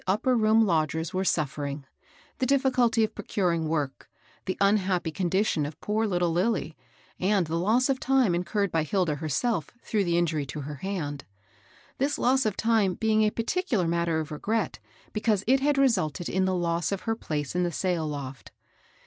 271 upper room lodgers were suffering, the difficulty of procuring work, the unhappy condition of poor little Lilly, and the loss of time incurred by Hilda herself through the injury to her hand, — this loss of time bdng a particular mat ter of regret because it had resulted in the loss of her place in the sail loft.